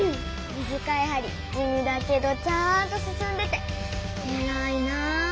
短いはりじみだけどちゃんとすすんでてえらいな！